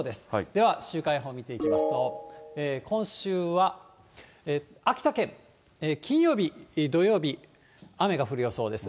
では、週間予報見ていきますと、今週は、秋田県、金曜日、土曜日、雨が降る予想です。